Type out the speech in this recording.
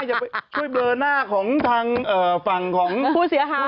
ให้ไปช่วยเบอร์หน้าฝั่งสำบวนผู้เสียหาย